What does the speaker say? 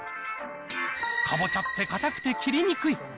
かぼちゃって硬くて切りにくい。